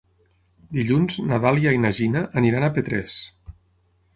Dilluns na Dàlia i na Gina aniran a Petrés.